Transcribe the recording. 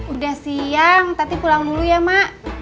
udah siang tati pulang dulu ya ma